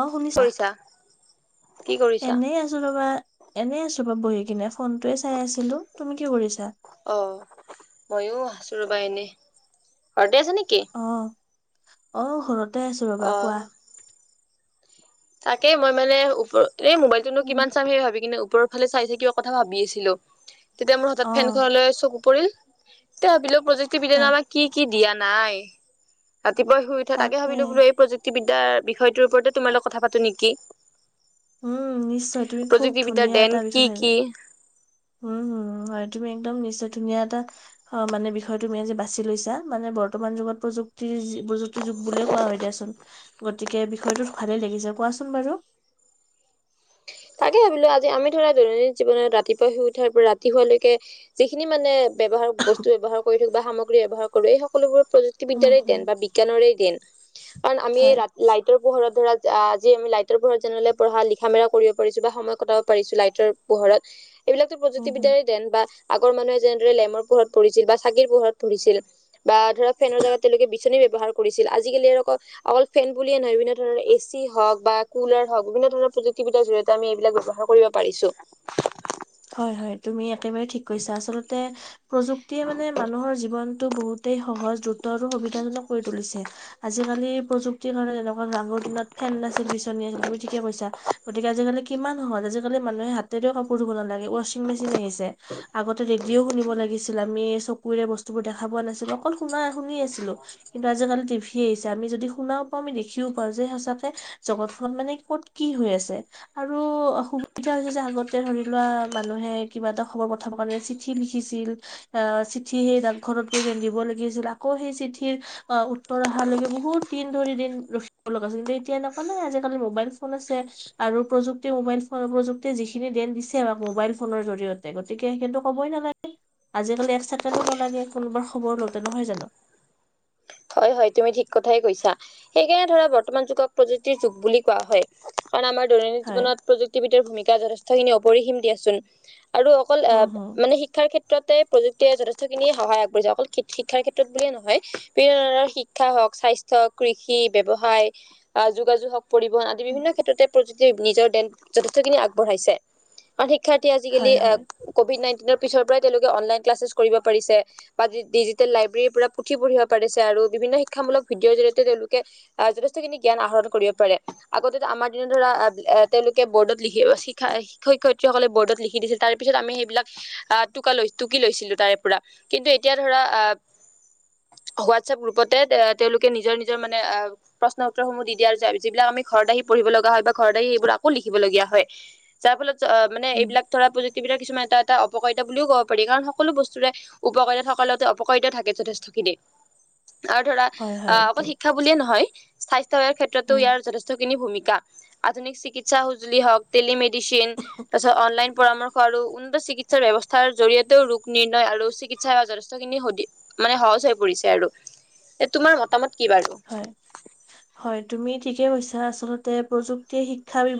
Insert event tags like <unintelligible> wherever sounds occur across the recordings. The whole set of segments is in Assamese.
অ শুনিছা, কৰিছা কি কৰিছা এনেই আছোঁ ৰবা এনে আছোঁ বহি হি কিনে ফোনটোয়ে চাই আছিলো তুমি কি কৰিছা অ মইয়ো আছো ৰবা এনেই ঘৰতে আছা নেকি অ অ ঘৰতে আছোঁ অ ৰবা কোৱা তাকেই মই মানে ওপ এই মোবাইলটোনো উম, কিমান চাম সেই ভাবি কিনে ও ওপৰৰ ফালে চাই চাই কিবা কথা ভাবি আছিলো তেতিয়া মোৰ হঠাৎ অ ফেনখনলৈ চকু পৰিল। তেতিয়া ভাবিলো হা প্ৰযুক্তিবিদ্যানো আমাৰ কি কি দিয়া নাই। ৰাতিপুৱাই শুই উঠা তাকে ভাবিলো বোলো এই প্ৰযুক্তিবিদ্যাৰ বিষয়টোৰ ওপৰতে তোমাৰ লগত কথা পাতো নিকি উম নিশ্চয় তুমি খুব ধুনীয়া দেন এটা বিষয় কি ভাবি লৈ কি উম হোম হয় তুমি একদম নিশ্চয় ধুনীয়া এটা অ মানে বিষয় তুমি আজি বাছি লৈছা মানে বৰ্ত বৰ্তমান যুগত প্ৰযুক্তিৰ প্ৰযুক্তি যুগ বুলিয়ে কোৱা হয় দিয়াচোন গতিকে বিষয়টোত ভালেই লাগিছে কোৱা কোৱাচোন বাৰু <inaudible> তাকে ভাবিলো আজি আমি ধৰা দৈনন্দিন জীৱনত ৰাতিপুৱা শুই উঠাৰ পৰা ৰাতি শুৱালৈকে যিখিনি মানে ব্যৱহাৰ বস্তু ব্যৱহাৰ কৰি থাকো বা সামগ্ৰী ব্যৱহাৰ কৰোঁ এই সকলোবোৰ হম প্ৰযুক্তিবিদ্যাৰে হম দেন বা বিজ্ঞানৰে দেন কাৰণ আমি হয় ৰা লাইটৰ পোহৰত ধৰা আজি আমি লাইটৰ পোহৰত যেনে দৰে পঢ়া লিখা মেলা কৰি কৰিছোঁ বা সময় কটাব পাৰিছো লাইটৰ পোহৰত এইবিলাকটো উম হম প্ৰযুক্তিবিদ্যাৰে দেন বা আগৰ মানুহে যেনেদৰে লেমৰ পোহৰত পঢ়িছিল বা চাকিৰ পোহৰত পঢ়িছিল। বা ধৰা ফেনৰ জাগাত তেওঁলোকে বিচনী ব্যৱহাৰ কৰিছিল আজিকালি অক অকল ফেন বুলিয়ে নহয় বিভিন্ন ধৰণৰ এ চি হওঁক বা কুলাৰ হওঁক বিভিন্ন ধৰণৰ প্ৰযুক্তিবিদ্যাৰ জৰিয়তে আমি এইবিলাক ব্যৱহাৰ কৰিব পাৰিছো। কৈছে আচলতে প্ৰযুক্তিয়ে মানে মানুহৰ জীৱন বহুতেই সহজ দ্ৰুত আৰু সুবিধাজনক কৰি তুলিছে আজিকালি প্ৰযুক্তিৰ কাৰণে আগৰ দিনত ফেন নাছিল বিচনী আছিল তুমি ঠিকে কৈছা গতিকে আজিকালি কিমান সহজ আজিকালি মানুহে হাতেৰে কাপোৰ ধুব নালাগে। ৱাচিং মেচিন আহিছে আগতে ৰেডিঅ' ও শুনিব লাগিছিল আমি চকুৰে বস্তু বোৰ দেখা পোৱা নাছিলো অকল শুনাই শুনি আছিলো কিন্তু আজিকালি টিভি আহিছে আমি যদি শুনাও পাম দেখি দেখিও পাওঁ যে সঁচাকে জগতখন মানে ক'ত কি হৈ আছে আৰু সুবিধা হৈছে যে আগতে ধৰি লোৱা মানুহে কিবা এটা খবৰ পঠাব কাৰণে চিঠি লিখিছিল আ চিঠি সেই ডাগঘৰত গৈ দিব লাগ গিছিল আকৌ সেই চিঠিৰ অ উত্তৰ অহালৈকে বহুত দিন ধৰি দিন ৰখিব লগা হৈছিল তেতিয়া এন নাই আজিকালি মোবাইল ফোন আছে আৰু প্ৰযুক্তিয়ে মোবাইল ফোন প্ৰযুক্তিয়ে যিখিনি দেন দিছে আমা মোবাইল ফোনৰ জৰিয়তে গতিকে সেইখিনিটো ক'বই নালাগে আজিকালি এক ছেকেণ্ডো নালাগে কোনোবাৰ খবৰ লওঁতে নহয় জানো হয় হয় তুমি ঠিক কথাই কৈছা সেইকাৰণে ধৰা বৰ্তমান যুগক প্ৰযুক্তিৰ যুগ বুলি কোৱা হয় কাৰণ আমাৰ দৈনন্দিন হয় জীৱনত প্ৰযুক্তিবিদ্যাৰ ভূমিকা যথেষ্টখিনি অপৰিসীম দিয়াচোন আৰু অকল এ উম হম মানে শিক্ষাৰ ক্ষেত্ৰতে প্ৰযুক্তিয়ে যথেষ্ট খিনি সহায় আগবঢ়াইছে অকল শি শিক্ষাৰ ক্ষেত্ৰত বুলিয়ে নহয় বিভিন্ন ধৰণৰ শিক্ষা হওঁক, স্বাস্থ্য, কৃষি, ব্যৱসায় আহ যোগাযোগ হওঁক পৰিবহন আদি বিভিন্ন ক্ষেত্ৰতে প্ৰযুক্তিয়ে নিজৰ দেন যথেষ্টখিনি আগবঢ়াইছে আৰু শিক্ষাৰ্থী আজিকালি হয় হয় কভিড নাইণ্টিনৰ পিছৰ পৰাই তেওঁলোকে অনলাইন ক্লাছ কৰিব পাৰিছে বা ডিজিট লাইব্ৰেৰী পৰা আৰু বিভিন্ন শিক্ষামূলক ভিডিঅৰ জৰিয়তে তেওঁলোকে আহ যথেষ্টখিনি জ্ঞান আহৰণ কৰিব পাৰে আগতে আমাৰ দিনে ধৰা তেওঁলোকে বৰ্ডত লিখিব শিকা শিক্ষক-শিক্ষয়িত্ৰী সকলে বৰ্ডত লিখি দিছে তাৰ পিছত আমি সেইবিলাক আহ টকা টুকি লৈছিলো তাৰে পৰা কিন্তু এতিয়া ধৰা <unintelligible> <inaudible> হোৱাটছএপ গ্ৰুপতে তেওঁলোকে নিজৰ নিজৰ মানে প্ৰশ্ন উত্তৰসমূহ দি দিয়া যিবিলাক আমি ঘৰত আহি পঢ়িব লগা হয় বা ঘৰ দ আহি এইবোৰ আকৌ লিখিবলগীয়া হয় যাৰ ফলত অ মানে উম এইবিলাক ধৰা প্ৰযুক্তিবিধাক কিছুমান তাত এটা অপকাৰিতা বুলিও ক'ব পাৰি কাৰণ সকলো বস্তুৰে উপকাৰিতা থাকা লৈকে অপকাৰিতা থাকে যথেষ্টখিনি। আৰু ধৰা হয় অ হয় এইটো অকল শিক্ষা বুলিয়ে নহয় স্বাস্থ্য সেৱাৰ ক্ষেত্ৰতো উম ইয়াৰ যথেষ্টখিনি ভূমিকা আধুনিক চিকিৎসা সুজুলি হওক ডেলিমেডিচিন ত অনলাইন ন পৰামৰ্শ আৰু উন্নত চিকিৎসা ব্যৱস্থাৰ জৰিয়তেও ৰোগ নিৰ্ণয় আৰু চিকিৎসা সেৱা যথেষ্টখিনি সুদি মানে সহজ হৈ পৰিছে আৰু এ তোমাৰ মতামত কি বাৰু। হয় হয় তুমি ঠিকে কৈছা আচল্ততে প্ৰযুক্তিয় শিক্ষা বি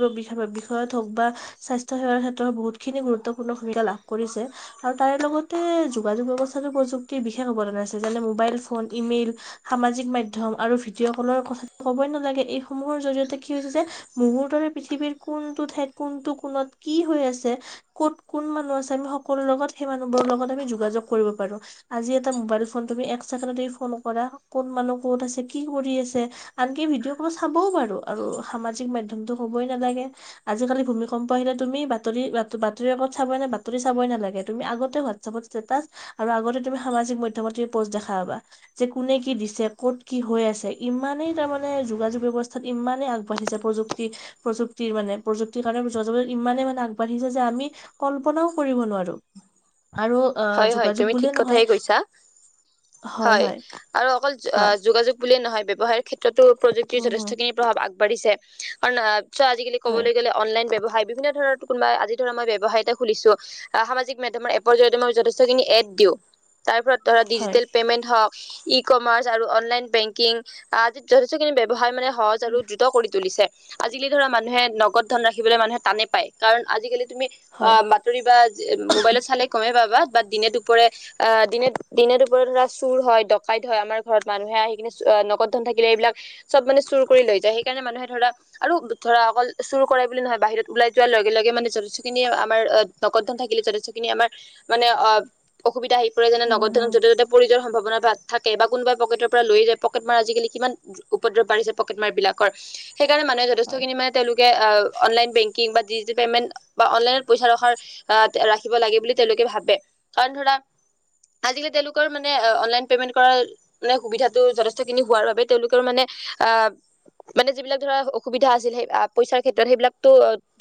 বিষয়ত হওক বা স্বাস্থ্য সেৱাত। বহুতখিনি গুৰুত্বপূৰ্ণ ভূমিকা লাভ কৰিছে আৰু তাৰে লগতে যোগাযোগ ব্যৱস্থাটো প্ৰযুক্তি। <unintelligible> হ'ব লগা আছে যেনে মোৱাইল ফোন ইমেইল সাজিক মাধ্যম ধ্যম আৰু ভিডিঅ' কলৰ কথা ক'বই নালাগে এইসমূহৰ জৰিয়তে কি হৈছে যে মুহূৰ্ততে পৃথিৱীৰ কোন কোনটো ঠাইত কোনটো কোনত কি হৈ আছে ক'ত কোন মানুহ আছে আমি সকলো লগত সেই মানুহ বোৰ লগত আমি যোগা যোগ কৰিব পাৰো আজি এটা মোৱাইল ফোন তুমি এক ছেকেণ্ড ফোন কৰা কোন মানুহ ক'ত আছে কি কৰি আছে আনকি ভিডিঅ' কলত চাবও বাৰো আৰু সামাজিক মাধ্যমতো কবই নালাগে। আজিালি ভূমিকম্প আহিলে তুমি বাতৰি - বাতৰি বাকত চাবই নে বাতৰি চাবই নালাগে তুমি আগতে হোৱাপ ষ্টেটাছ আৰু আগতে তুমি সামাজিক মাধ্যমত পোষ্ট দেখা পাবা, যেন কোনে কি দিছে। ক'ত কি হৈ আছে ইমানেই তাৰমানে যোগাযোগ ব্যৱস্থাত ইমানেই আগবাঢ়িছে প্ৰযুক্তি প্ৰযু ক্তিৰ মানে প্ৰযুক্তিৰ কাৰণে ইমানেই মানে আগবাঢ়িছে যে আমি কল্পনাও কৰিব নোৱাৰো। <inaudible> আহ হয়- হয় যোগাযোগ তুমি ঠিক বুলিয়ে কথা নহয় কৈছা, হয় আৰু অকল অ, কোৱা যোগাযোগ বুলিয়ে নহয় ব্যয়ৱসায়ৰ ক্ষেত্ৰতো প্ৰযুক্তিৰ উম হম যথেষ্টখিনি প্ৰভাৱ আগবাঢ়িছে কাৰণ অ, চ আজিকি হয় ক'বলৈ গ'লে অনলাইন ব্যৱসায় ভাবি পিনে ধৰা কোনোবা আজি ধৰা ব্যবসায় এটা খুলিছো অ, সামাজিক মাধ্যমৰ এপৰ জৰিয়তে যথেষ্ঠ খিনি এড দিও তাৰ ধৰা হয় ডিজিটেল পেমেন্ট হওঁক। ই কমাৰ্চ আৰু অনলাইন বেংকিং আদিত যথেষ্টখিনি ব্যয়ৱসায় মানে সহজ আৰু উম, দ্ৰুত কৰি তুলিছে। আজিকালি ধৰা মানুহে নগদ ধন ৰাখিবলৈ মানুহে টানে পায় কাৰণ আজিকালি তুমি অ হয় বাতৰি বা মোৱাইলত চালে গমে পাবা বা দিনে দুপৰে অহ, দিনে - দিনে দুপৰে ধৰা চুৰ হয় ডকাইত হয়, আমাৰ ঘৰত মানুহে আহি পিনে নগদ ধন থাকিলে এইবিলাক চব মানে চুৰ কৰি লৈ যায় সেইকাৰণে মানুহে ধৰা আৰু ধৰা অকল চুৰ কৰে বুলি নহয় বাহিৰত ওলাই যোৱাৰ লগে লগে মানে যথেষ্টখিনি আমাৰ নগদ ধন থাকিলে যথেষ্ট খিনি আমাৰ মানে অ, অসুবিধা আহি পৰে যেনে উম নগদ ধনত হম য'তে ত'তে পৰি যোৱাৰ সম্ভাৱনা তাত থাকে বা কোনোবাই পকেটৰ পৰা লৈ যায় পকেট মাৰ আজিকালি কিমান উপদ্ৰৱঢ়িছে পকেট মাৰ বিলাকৰ। সেইকাৰণে মানুহে হয় <unintelligible> তেওঁলোক এ অনলাইন বেংকিং বা ডিজিটেল পেমেণ্ট বা অনলাইনত পইচা ৰখাৰ আহ, ৰাখিব লাগে বুলি তেওলোকে ভাৱে। ভাবে, কাৰণ ধৰা আজিকালি তেওলোকৰ মানে অনলাইন পেমেন্ট কৰা মানে সুবিধাটো যথেষ্টখিনি হোৱাৰ বাবে তেওলোকৰ মানে আহ, মানে যিবিলাক ধৰা অসুবিধা আছিল সেই পইচাৰ ক্ষেত্ৰত সেইবিলাকো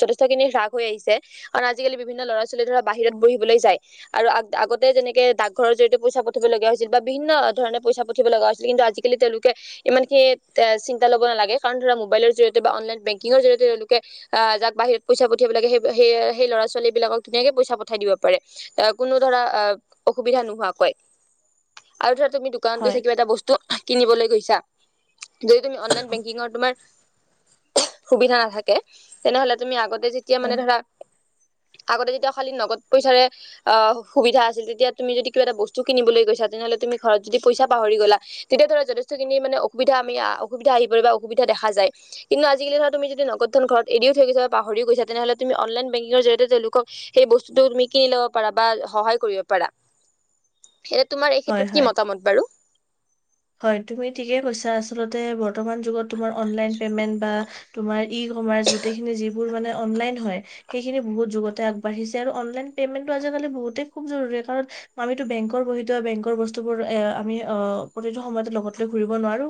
যথেষ্টখিনি হ্ৰাগ হৈ আহিছে আৰু আজিকালি বিভিন্ন ল'ৰা-ছোৱালী ধৰা বাহিৰত উম, পঢ়িবলৈ যায়। আৰু আগ- আগতে যেনেকে ডাক ঘৰৰ জৰিয়তে পইচা পঠিয়াব লগীয়া হৈছিল বা বিভিন্ন ধৰণে পইচা পঠিয়াব লগা হৈছিল কিন্তু আজি তেওঁলোকে ইমান খিনি এ চিন্তা ল'ব নালাগে কাৰণ ধৰা মোৱাইলৰ জৰিয়তে বা অনলাইন বেংকিঙৰ জৰিয়তে তেওলোকে আহ, যাক বাহিৰত পইচা পঠিয়াব লাগে সেই - সেই সেই ল'ৰা ছোৱালী বিলাকক ধুনীকে পইচা পঠাই দিব পাৰে। এ কোনো ধৰা অ, অসুবিধা নোহোৱাকৈ, আৰু ধৰা তুমি দোকানত হয়, গৈছা কিবা এটা বস্তু কিনিবলৈ গৈছা। যদি তুমি অনলাইন বেংকিংৰ তোমাৰ সুবিধা নাথাকে তেনেহলে তুমি আগত যেতিয়া হয়, মানে ধৰা আগতে যেতিয়া খালী নগদ পইচাৰে অ, সুবিধা আছিল তেতিয়া তুমি যদি কিবা এটা বস্তু কিনিবলৈ গৈছা তেনেহ'লে তুমি ঘৰত যদি পইচা পাহৰি গলা। তেতিয়া ধৰা যথেষ্টখিনি মানে অসুবিধা আমি অসুবিধা আহি, পৰে বা অসুবিধা দেখা যায় কিন্তু আজিকালি ধৰা তুমি যদি নখত ধন এৰিও থৈছ বা পাহৰি গৈছে তেনেহলে তুমি অনলাইন বেংকিৰ জৰিয়তে তেওঁলোক সেই বস্তুটো তুমি কিনি লব পাৰা বা সহায় কৰিব পাৰা এয়া তোমাৰ এই ক্ষেত্ৰত কি মতামত বাৰু। হৈ তুমি ঠিকে কৈছা আচলতে বৰ্তমান যুগত তোমাৰ অনলাইন পেমেণ্ট বা ইউ কমাৰ্চ গোটেইখিনি যিবোৰ মানে অনলাইন হৈ সেইখিনি বহুত যুগতে আগ বাঢ়িছে আৰু অনলাইন পেমেণ্ট আজি কালি বহুতেই খুব জৰুৰী কাৰণ আমিতো বেংকৰ বহি থোৱা বেংকৰ বস্তু বোৰ এ আমি অ, প্ৰতিটো সময়তে লগত লৈ ঘুৰিব নোৱাৰো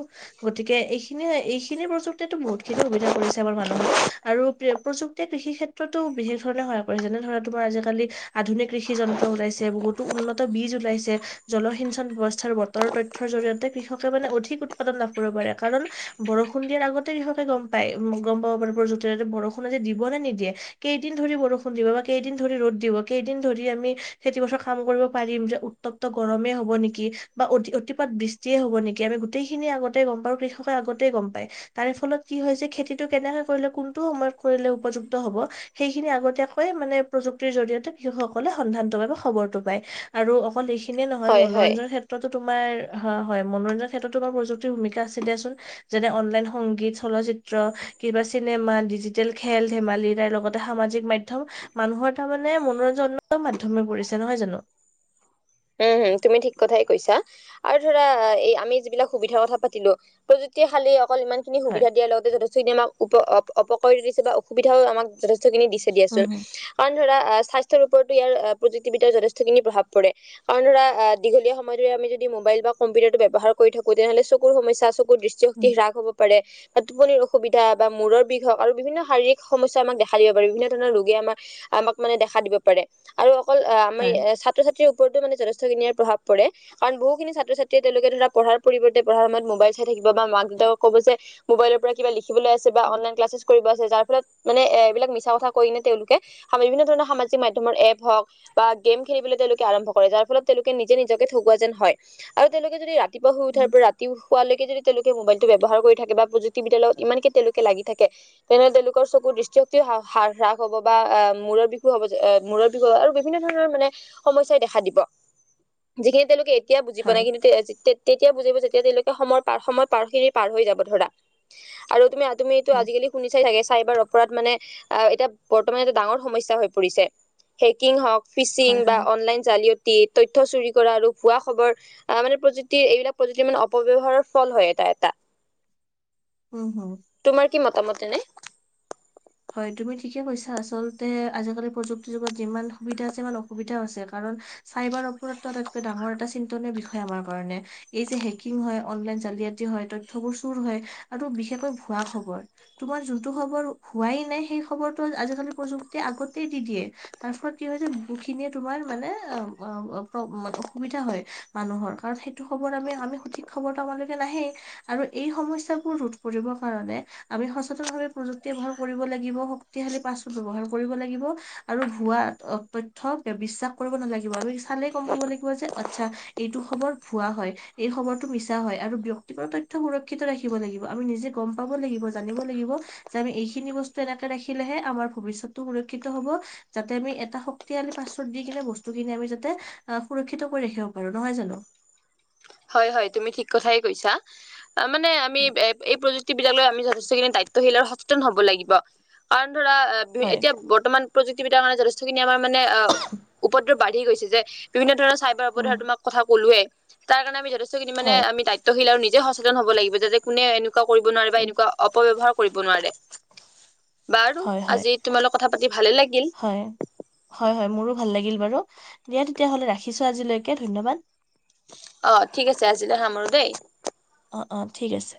গতিকে এইখিনিয় এইখিনি প্ৰযুক্তিতো বহুত খিনি সুবিধা কৰিছে। বৰ মানুহক আৰু প্ৰযুক্তিয়ে কৃষি ক্ষেত্ৰতো বিশেষ ধৰণে সহায় কৰে যেনে ধৰা তোমাৰ আজিকালি আধুনিক কৃষি যন্ত্ৰ ওলাইছে বহুতো উন্নত বীজ ওলাইছে জলসিঞ্চন ব্যৱস্থাৰ বতৰৰ তথ্য। তথ্য জৰিয়তে কৃষকে মানে অধিক উৎপাদন লাভ কৰিব পাৰে কাৰণ বৰষুণ দিয়াৰ আগতে কৃষকে গম পায়। গম পাব পাৰিবা প্ৰযুক্তি বৰষুণ আজি দিব নে নিদিয়ে, কেইদিন ধৰি বৰষুণ দিব বা কেইদিন ধৰি ৰ'দ দিব। কেইদিন ধৰি আমি খেতি পথাৰত কাম কৰিব পাৰিম যে উত্তপ্ত গৰমে হ'ব নেকি বা অতি অতি অতিপাত বৃষ্টিয়ে হ'ব নেকি, আমি গোটেই খিনি আগতে গম পাওঁ কৃষকে আগতেই গম পায়, তাৰে ফলত কি হয় হৈছে খেতি কেনেকে কৰিলে কোনটো সময়ত কৰিলে উপযুক্ত হ'ব সেইখিনি আগতীয়াকৈ মানে প্ৰযুক্তিৰ জৰিয়তে শিশুসকলে সন্ধানটো বাবে খবৰটো পায়, আৰু অকল সেইখিনিয়ে নহয় হয় হয় মনোৰঞ্জনৰ ক্ষেত্ৰতো তোমাৰ হয় হয় মনোৰঞ্জনৰ ক্ষেত্ৰতো আমাৰ প্ৰযুক্তিৰ ভূমিকা আছে দিয়াচোন যেনে, অনলাইন সংগীত চলাচিত্ৰ কিবা চিনেমা ডিজিটেল খেল ধেমালি তাৰ লগতে সামাজিক মাধ্যম মানুহৰ তাৰ মানে মনোৰঞ্জন মনোৰঞ্জনেৰে মাধ্যমে পৰিছে নহয় জানো? উম তুমি ঠিক কথাই কৈছা। আৰু ধৰা এই আমি যিবিলাক সুবিধাৰ কথা পাতিলো শ‌ক্তিশালী তেতিয়া খালি অকল ইমান খিনি হয় সুবিধা দিয়াৰ লগতে যথেষ্টখিনি আমাক অপ কৰি দিছে বা অসুবিধাও আমাক যথেষ্ট যথেষ্টন খিনি দিছে উম দিয়াচোন, হুম কাৰণ ধৰা আহ স্বাস্থ্যৰ ওপৰতো ইয়াৰ প্ৰযুক্তিবিদ্যাৰ যথেষ্টখিনি প্ৰভাৱ পৰে। কাৰণ ধৰা দীঘলীয়া সময় ধৰি আমি যদি মোবাইল বা কম্পিউটাৰটো ব্যৱহাৰ কৰি থাকো তেনেহ'লে চকুৰ সমস্যা চকু চকু দৃষ্টিশক্তি উম হ্ৰাস হ'ব পাৰে। বা টোপনিৰ অসুবিধা বা মূৰৰ বিষ হওক, আৰু বিভিন্ন শাৰীৰিক সমস্যা আমাক দেখা দিব পাৰে বিভিন্ন ধৰণৰ ৰোগে আমাক আমাক মানে দেখা দিব পাৰে আৰু অকল আহ আমাৰ হয় ছাত্ৰ ছাত্ৰীৰ- ওপৰতো মানে যথেষ্টখিনিয় প্ৰভাৱ পৰে কাৰন, বহুখিনি ছাত্ৰ ছাত্ৰী তেওঁলোকে ধৰা পঢ়াৰ পৰিৱৰ্তে পঢ়াৰ সময়ত মোবাইল চাই থাকিব থাকিব বা মাক দেউতাকক ক'ব যে মোবাইলৰ পৰা কিবা লিখিবলৈ আছে বা উম অনলাইন ক্লাছেছ কৰিব আছে ছে। যাৰ ফলত মানে এইবিলাক মিছা কথা কৈ তেওঁলোকে বিভিন্ন ধৰণৰ সামাজিক মাধ্যমৰ এপ হওঁক বা গেম খেলিবলৈ তেওঁলোকে আৰম্ভ কৰে যাৰ ফলত তেওঁলোকে নিজে নিজকে ঠেগুৱা যেন হয় আৰু, তেওঁলোকে যদি ৰাতিপুৱা শুই উঠাৰ উম পৰা ৰাতি- পুৱলৈকে যদি তেওঁলোকে মোবাইলটো ব্যৱহাৰ কৰি থাকে বা প্ৰযুক্তিবিদ্যাৰ লগত ইমান কে লাগি থাকে তেনেহলে তেওঁলোকৰ চকু দৃষ্টিশক্তি হ হ্ৰাস হব বা মূৰৰ বিষও হ'ব মূৰ বিষও হ আৰু বিভিন্ন ধৰণৰ মানে, সমস্যাই দেখা দিব। যিখিনি তেওঁলোকে এতিয়া বুজি পোৱা হয় নাই কিন্তু তেতিয়া বুজিব তেতিয়া তেওঁলোকে সময়ৰ পাৰ সময় পাৰ কৰি পাৰ হৈ যাব ধৰা আৰু তুমি- তুমি এইটো উম আজিকালি এইটো শুনিছাই চাগে চাইবাৰ অপ অপৰাধ মানে অ এতিয়া বৰ্তমান এটা ডাঙৰ সমস্যা হৈ পৰিছে হেকিং হওঁক ফিচিং হয় বা হয় অনলাইন জালিয় তি তথ্য চুৰি কৰা আৰু ভুৱা খবৰ আহ মানে প্ৰযুক্তিৰ এইবিলাক প্ৰযুক্তিৰ মানে অপব্যৱহাৰৰ ফল হয় এটা। এটা উম হম তোমাৰ কি মতামত এনে? হয়, তুমি ঠিকে কৈছা। আচলতে আজিকালি প্ৰযুক্তিৰ যুগত যিমান সুবিধা আছে ইমান অসুবিধাও আছে কাৰণ চাইবাৰ অপৰাধটো এটা ডাঙৰ এটা চিন্তনীয় বিষয় আমাৰ কাৰণে, এইযে হেকিং হয় অনলাইন জালিয়াতি হয় তথ্যবোৰ চোৰ হয় আৰু, বিশেষকৈ ভুৱা খবৰ তোমাৰ যোনটো খবৰ হোৱাই নাই সেই খবৰটো আজিকালি প্ৰযুক্তিয়ে আগতেই দি দিয়ে, তাৰ ফলত কি হৈছে বহুখিনিয়ে তোমাৰ মানে অসুবিধা হয় মানুহৰ কাৰণ, সেইটো খবৰ আমি আমি সঠিক খবৰ আমাৰলৈকে নাহেই আৰু এই সমস্যাবোৰ ৰোধ কৰিব কাৰণে আমি সচেতন ভাৱে প্ৰযুক্তি ব্যৱহাৰ কৰিব লাগিব, শক্তিশালী পাছৱৰ্ড ব্যৱহাৰ কৰিব লাগিব, আৰু ভুৱা তথ্য বিশ্বাস কৰিব নালাগিব আমি চালে গম পাব লাগিব যে আচ্ছা এইটো খবৰ ভুৱা হয়। এই খবৰটো মি ছা হয়, আৰু ব্যক্তিগত তথ্য সুৰক্ষিত ৰাখিব লাগিব আমি নিজে গম পাব লাগিব জানিব লাগিব। যে আমি এইখিনি বস্তু এনেকে ৰাখিলেহে আমাৰ ভৱিষ্যতটো সুৰক্ষিত হব যাতে আমি এটা শক্তিশালী পা ছৱৰ্ড দি কিনে বস্তুখিনি আমি যাতে সুৰক্ষিত কৰি ৰাখিব পাৰো নহয় জানো হয় হয় তুমি ঠিক কথাই কৈছা। মানে আমি এই প্ৰ- যুক্তিবিদ্যা লৈ আমি যথেষ্টখিনি দায়িত্বশীল আৰু সচেতন হব লাগিব কাৰণ, ধৰা হয়, এতিয়া বৰ্তমান প্ৰযুক্তিবিদ্যাৰ মানে যেষ্টখিনি আমাৰ মানে উপদ্ৰৱ বাঢ়ি গৈছে যে বিভিন্ন ধৰণৰ চাইবাৰ উম অপধাৰ তোমাক কথা কলোৱে। তাৰ কাৰণে আমি যথেষ্টখিনি মানে হয়, আমি দায়িত্বীল আৰু নিজে সচেতন হব লাগিব। যে কোনে কৰিব নোৱাৰে বা উম এনেকুৱা অপব্যৱহাৰ কৰিব নোৱাৰে। বাৰু হয় হয় আজি তোমাৰ লগত কথা পাতি ভালে লাগিল হয় হয় মোৰো ভাল লাগিল। বাৰু দিয়া তেতিয়াহলে ৰাখিছো আজিলৈকে ধন্যবাদ। অ ঠিক আছে আজিলৈ সামৰো দেই। অঁ অঁ ঠিক আছে।